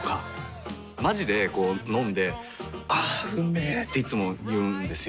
まじでこう飲んで「あーうんめ」っていつも言うんですよ。